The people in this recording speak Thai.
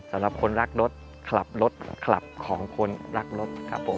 สำหรับคนรักรถขับรถคลับของคนรักรถครับผม